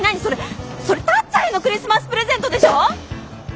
それそれタッちゃんへのクリスマスプレゼントでしょ！？